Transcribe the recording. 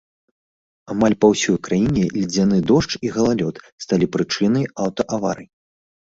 Амаль па ўсёй краіне ледзяны дождж і галалёд сталі прычынай аўтааварый.